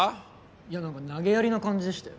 いやなんか投げやりな感じでしたよ。